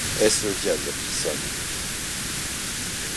Est-ce le diable qui sonne